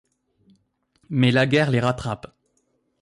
Mais la guerre les rattrape.